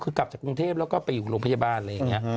ก็กลับจากกรุงเทพแล้วก็ไปอยู่โรงพยาบาล